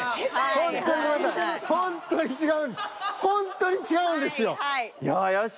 ほんとに違うんですよ。